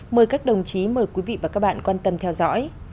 mời các đồng chí mời quý vị và các bạn quan tâm theo dõi